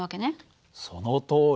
そのとおり。